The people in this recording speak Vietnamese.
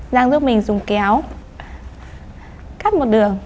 giang giúp mình dùng kéo cắt một đường